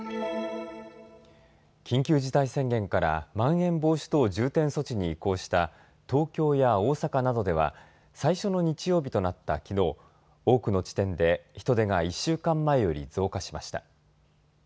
緊急事態宣言からまん延防止等重点措置に移行した東京や大阪などでは最初の日曜日となったきのう、多くの地点で人出が１週間前より増加しました。